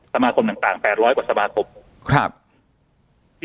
สมาคมต่าง๘๐๐กว่าสมาคม